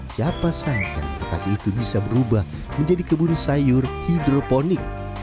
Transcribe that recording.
siapa sangka lokasi itu bisa berubah menjadi kebun sayur hidroponik